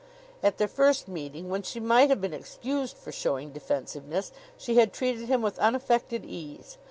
At their first meeting, when she might have been excused for showing defensiveness, she had treated him with unaffected ease.